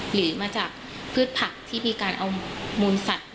หรือมาจากพืชผักที่มีการเอามูลสัตว์